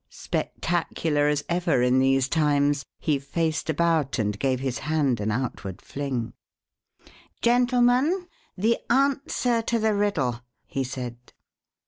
Spectacular as ever in these times, he faced about and gave his hand an outward fling. "Gentlemen, the answer to the riddle," he said.